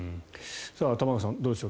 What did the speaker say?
玉川さん、どうでしょう。